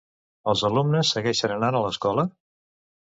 Els alumnes segueixen anant a l'escola?